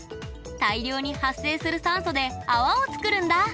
大量に発生する酸素で泡を作るんだ。